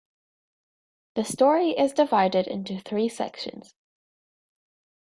The story is divided into three sections.